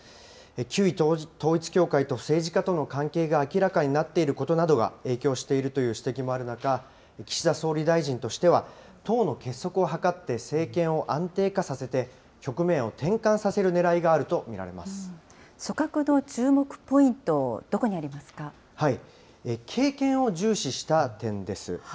旧統一教会と政治家との関係が明らかになっていることなどが影響しているという指摘もある中、岸田総理大臣としては、党の結束を図って政権を安定化させて、局面を転換させるねらいがあると見ら組閣の注目ポイント、どこに経験を重視した点です。